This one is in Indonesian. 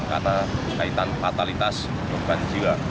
karena kaitan fatalitas korban jiwa